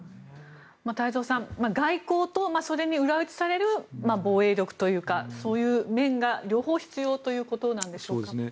太蔵さん外交と、それに裏打ちされる防衛力というかそういう面が両方必要ということなんでしょうか。